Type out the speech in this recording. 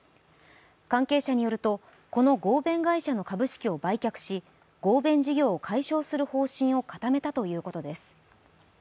関係者によると、この合弁会社の株式を売却し合弁事業を解消する方針を固めたということです。